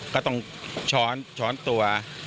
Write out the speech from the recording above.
ก็ต้องช้อนช้อนตัว